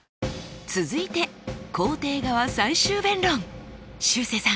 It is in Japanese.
続いて肯定側最終弁論しゅうせいさん。